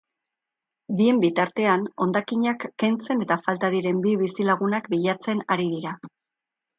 Bien bitartean, hondakinak kentzen eta falta diren bi bizilagunak bilatzen ari dira.